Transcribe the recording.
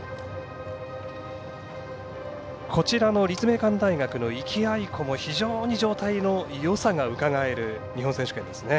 立命館大学の壹岐あいこも非常に状態のよさがうかがえる日本選手権ですね。